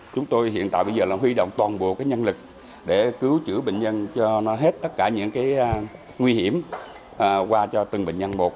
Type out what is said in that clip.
chúng tôi hiện tại bây giờ là huy động toàn bộ nhân lực để cứu chữa bệnh nhân cho hết tất cả những nguy hiểm qua cho từng bệnh nhân một